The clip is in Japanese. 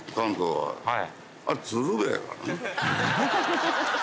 はい。